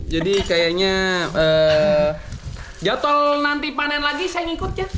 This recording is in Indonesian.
jadi kayaknya jatuh nanti panen lagi saya ikut ya